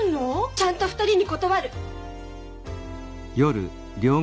ちゃんと２人に断る。